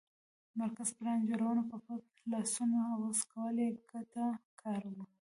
مرکزي پلان جوړونه پر پټ لاسونو عوض کول بې ګټه کار و